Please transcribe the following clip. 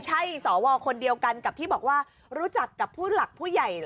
ใช่สวคนเดียวกันกับที่บอกว่ารู้จักกับผู้หลักผู้ใหญ่